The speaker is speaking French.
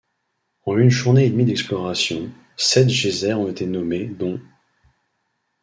En une journée et demie d'exploration, sept geysers ont été nommés, dont '.